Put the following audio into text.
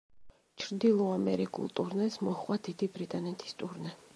ჩრდილო ამერიკულ ტურნეს მოჰყვა დიდი ბრიტანეთის ტურნე.